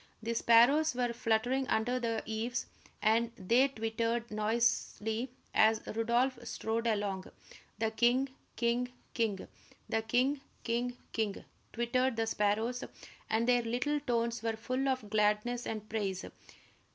The sparrows were fluttering under the eaves, and they twittered noisily as Rodolph strode along, "The king, king, king!" "The king, king, king," twittered the sparrows, and their little tones were full of gladness and praise.